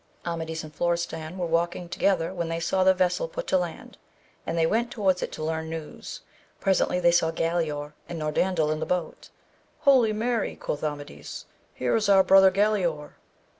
Amadis and Florestan were walking together when they saw the vessel put to land, and they went to wards it to learn news. Presently they saw Galaor and Norandel in the boat. Holy Mary, quoth Amadis, here is our brother Galaor